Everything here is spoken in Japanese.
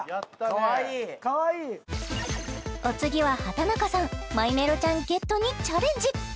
かわいいかわいいお次は畠中さんマイメロちゃんゲットにチャレンジ！